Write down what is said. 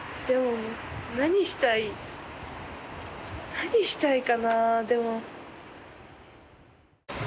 何したいかなでも。